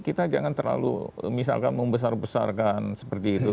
kita jangan terlalu misalkan membesar besarkan seperti itu